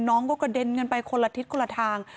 น้องก็กระเด็นกันไปคนละทิศคนละทาง